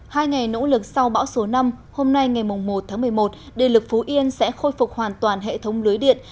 hai ngày nỗ lực sau bão số năm hôm nay ngày một tháng một mươi một đề lực phú yên sẽ khôi phục hoàn toàn hệ thống lưới điện